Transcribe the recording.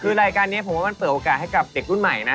คือรายการนี้ผมว่ามันเปิดโอกาสให้กับเด็กรุ่นใหม่นะ